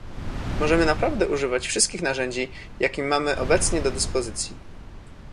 możemy naprawdę używać wszystkich narzędzi, jakie mamy obecnie do dyspozycji